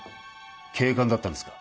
警官だったんですか？